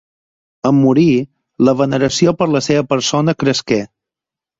En morir, la veneració per la seva persona cresqué.